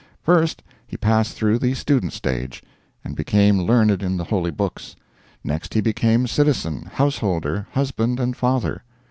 First, he passed through the student stage, and became learned in the holy books. Next he became citizen, householder, husband, and father.